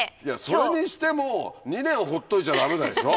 それにしても２年放っといちゃダメでしょ。